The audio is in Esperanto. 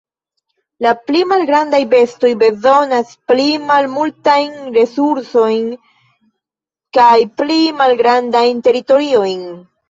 La pli malgrandaj bestoj bezonas pli malmultajn resursojn kaj pli malgrandajn teritoriojn.